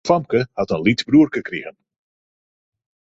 Dat famke hat in lyts bruorke krigen.